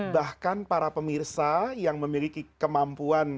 bahkan para pemirsa yang memiliki kemampuan